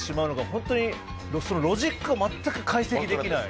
本当にロジックを全く解析できない。